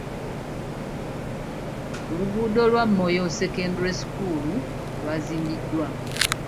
Oluguudo lwa Moyo secondary school lwazimbiddwa.